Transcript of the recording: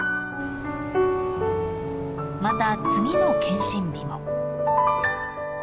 ［また次の健診日も］